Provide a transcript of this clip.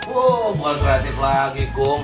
oh bukan kreatif lagi kum